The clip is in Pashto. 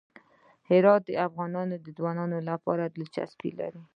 هرات د افغان ځوانانو لپاره دلچسپي لري.